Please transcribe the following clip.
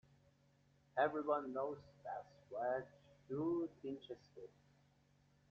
Every one knows best where the shoe pinches him.